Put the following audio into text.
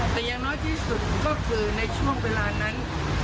แต่อย่างน้อยที่สุดก็คือในช่วงเวลานั้น